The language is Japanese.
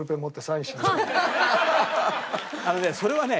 俺あのねそれはね。